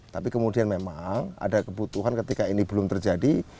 tapi kemudian memang ada kebutuhan ketika ini belum terjadi